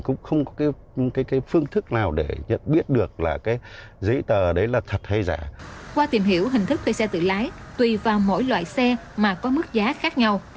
qua tìm hiểu hình thức thuê xe tự lái tùy vào mỗi loại xe mà có mức giá khác nhau